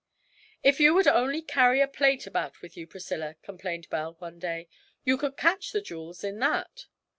'If you would only carry a plate about with you, Priscilla,' complained Belle one day, 'you could catch the jewels in that.'